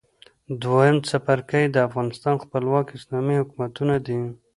دویم څپرکی د افغانستان خپلواک اسلامي حکومتونه دي.